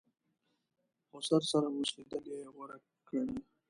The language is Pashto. خسر سره اوسېدل یې غوره کړه.